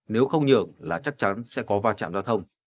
nếu không nhường là chắc chắn sẽ có va chạm giao thông